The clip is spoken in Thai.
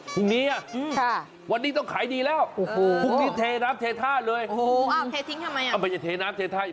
พรุ่งนี้วันนี้ต้องขายดีแล้วพรุ่งนี้เทน้ำเทท่าเลยอย่าเทน้ำเทท่า